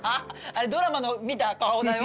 ドラマの見た顔だよ。